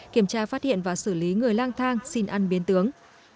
kiểm tra phát hiện và xử lý người lang thang xin ăn biến tướng